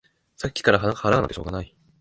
さっきから腹が鳴ってしょうがない